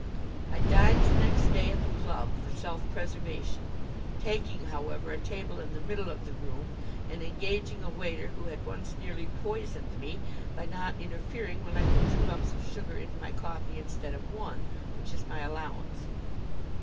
I dined next day at the club, for self preservation, taking, however, a table in the middle of the room, and engaging a waiter who had once nearly poisoned me by not interfering when I put two lumps of sugar into my coffee instead of one, which is my allowance.